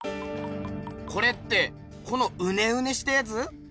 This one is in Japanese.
これってこのウネウネしたやつ？